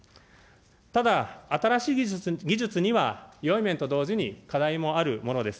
ただ、新しい技術には、よい面と同時に課題もあるものです。